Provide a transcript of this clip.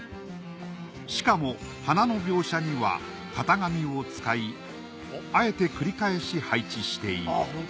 しかも花の描写には型紙を使いあえて繰り返し配置している。